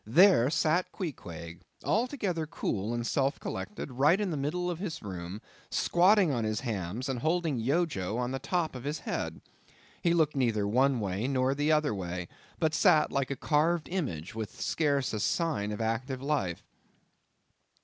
there sat Queequeg, altogether cool and self collected; right in the middle of the room; squatting on his hams, and holding Yojo on top of his head. He looked neither one way nor the other way, but sat like a carved image with scarce a sign of active life.